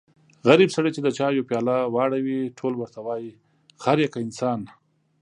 غریب سړی چې د چایو پیاله واړوي ټول ورته وایي خر يې که انسان.